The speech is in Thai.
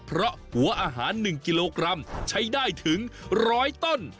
เพราะหัวอาหาร๑กิโลกรัมใช้ได้ถึง๑๐๐ต้น